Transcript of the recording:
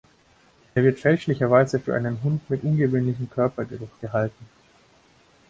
Er wird fälschlicherweise für einen Hund mit ungewöhnlichem Körpergeruch gehalten.